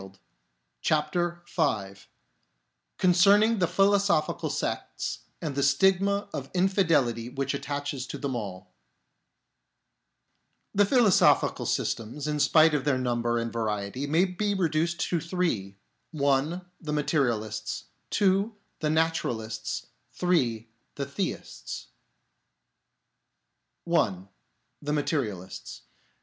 PHILOSOPHY AND INFIDELITY 25 concekning the philosophical sects and the Stigma of Infidelity which attaches to THEM ALL The philosophical systems, in spite of their number and variety, maybe reduced to three (1) The Materialists; (2) The Naturalists; (3) The Theists. (1) The Materialists.